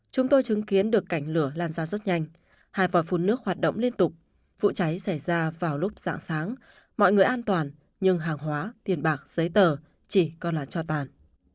chúng tôi chứng kiến được cảnh lửa lan ra rất nhanh hai vòi phun nước hoạt động liên tục vụ cháy xảy ra vào lúc dạng sáng mọi người an toàn nhưng hàng hóa tiền bạc giấy tờ chỉ còn là cho tàn